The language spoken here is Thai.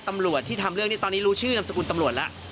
ตำรวจที่ทำเรื่องนี้ตอนนี้รู้ชื่อนามสกุลตำรวจแล้ว